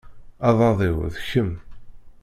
Aḍad-iw d kemm.